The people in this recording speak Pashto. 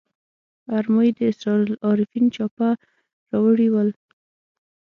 ارمایي د اسرار العارفین چاپه راوړي ول.